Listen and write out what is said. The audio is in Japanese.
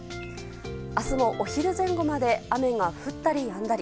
明日もお昼前後まで雨が降ったりやんだり。